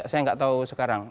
saya tidak tahu sekarang